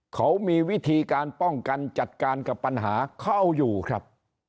เขามีวิธีการป้องกันจัดการกับปัญหาเขาเอาอยู่ครับ